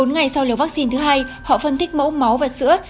một mươi bốn ngày sau liều vaccine thứ hai họ phân tích mẫu máu và sữa